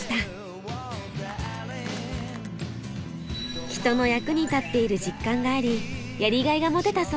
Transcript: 人の役に立っている実感がありやりがいが持てたそうです。